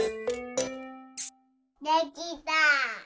できた！